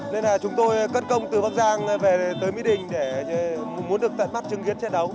nên là chúng tôi cất công từ bắc giang về tới mỹ đình để muốn được tận mắt chứng kiến chiến đấu